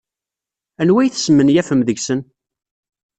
Anwa ay tesmenyafem deg-sen?